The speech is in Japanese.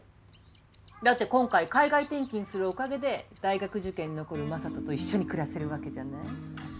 だって今回海外転勤するおかげで大学受験に残る正門と一緒に暮らせるわけじゃない？